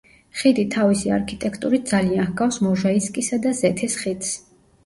ხიდი თავისი არქიტექტურით ძალიან ჰგავს მოჟაისკისა და ზეთის ხიდს.